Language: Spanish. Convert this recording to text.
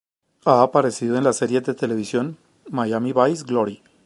Ha aparecido en las series de televisión "Miami Vice, Glory!